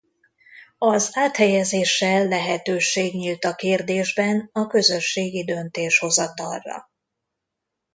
Az áthelyezéssel lehetőség nyílt a kérdésben a közösségi döntéshozatalra.